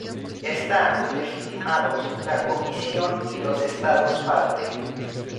Están legitimados la Comisión y los Estados parte.